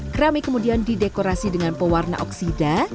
keramik kemudian didekorasi dengan pewarna oksida